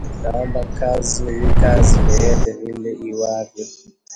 Naamba kazi ni kazi, vyovyote vile iwavyo